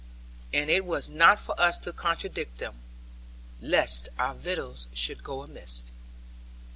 And it was not for us to contradict them, lest our victuals should go amiss.